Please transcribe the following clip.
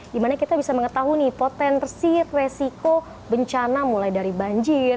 dimana kita bisa mengetahui potensi resiko bencana mulai dari banjir